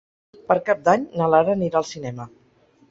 Per Cap d'Any na Lara anirà al cinema.